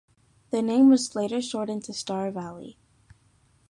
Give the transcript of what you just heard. The name was later shortened to Star Valley.